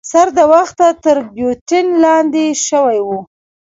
سر د وخته تر ګیوتین لاندي شوی وو.